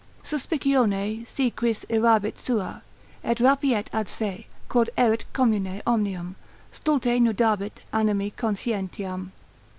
Suspicione si quis errabit sua, Et rapiet ad se, quod erit commune omnium, Stulte nudabit animi conscientiam.